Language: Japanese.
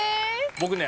僕ね。